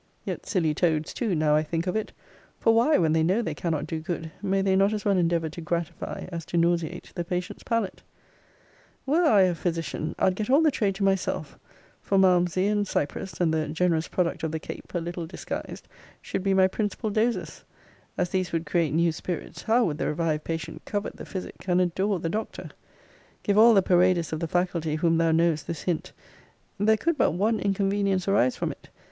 Yet, silly toads too, now I think of it. For why, when they know they cannot do good, may they not as well endeavour to gratify, as to nauseate, the patient's palate? Were I a physician, I'd get all the trade to myself: for Malmsey, and Cyprus, and the generous product of the Cape, a little disguised, should be my principal doses: as these would create new spirits, how would the revived patient covet the physic, and adore the doctor! Give all the paraders of the faculty whom thou knowest this hint. There could but one inconvenience arise from it.